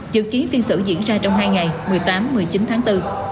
dự kiến phiên xử diễn ra trong hai ngày một mươi tám một mươi chín tháng bốn